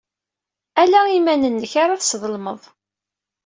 Ala iman-nnek ara tesḍelmeḍ.